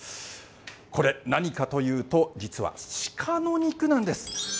これ、何かというと実は鹿の肉なんです。